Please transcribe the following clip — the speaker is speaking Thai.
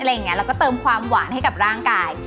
แล้วก็เติมความหวานให้กับร่างกาย